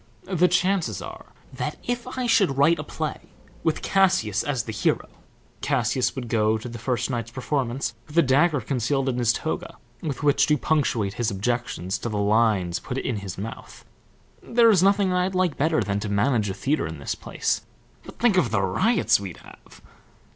The chances are that if I should write a play with Cassius as the hero, Cassius would go to the first night's performance with a dagger concealed in his toga, with which to punctuate his objections to the lines put in his mouth. There is nothing I'd like better than to manage a theatre in this place, but think of the riots we'd have!